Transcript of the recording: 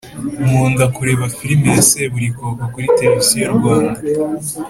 Nkunda kureba filime ya seburikoko kuri televiziyo Rwanda